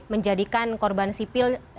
menjadikan korban sipil